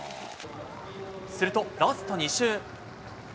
するとラスト２周。